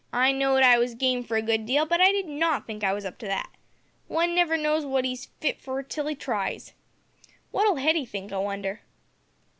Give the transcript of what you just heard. I know'd I was game for a good deal, but I did not think I was up to that. One never knows wot 'e's fit for till 'e tries. Wot'll Hetty think, I wonder?"